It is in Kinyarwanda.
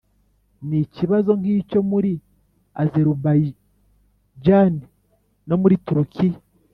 n ikibazo nk icyo muri Azerubayijani no muri Turukiya